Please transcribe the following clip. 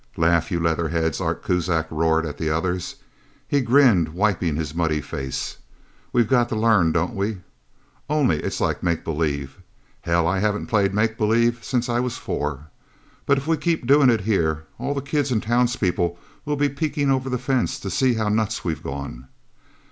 "Laugh, you leather heads!" Art Kuzak roared at the others. He grinned, wiping his muddy face. "We've got to learn, don't we? Only, it's like make believe. Hell, I haven't played make believe since I was four! But if we keep doing it here, all the kids and townspeople will be peeking over the fence to see how nuts we've gone."